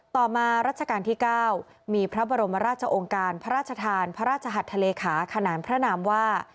ต่อมารัชกาลที่๙มีพระบรมราชองค์การพระราชทานพระราชหัดทะเลขาขนานพระนามว่า